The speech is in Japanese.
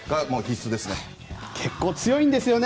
結構強いんですよね。